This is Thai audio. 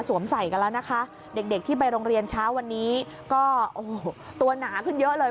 วันนี้ตัวหนาขึ้นเยอะเลย